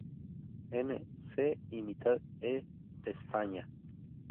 N, C y mitad E de España.